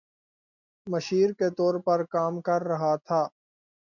مشیر کے طور پر کام کر رہا تھا